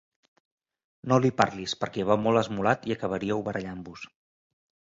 No li parlis, perquè va molt esmolat i acabaríeu barallant-vos.